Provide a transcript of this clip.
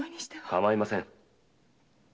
構いません。